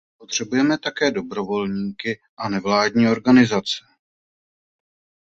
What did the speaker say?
Potřebujeme také dobrovolníky a nevládní organizace.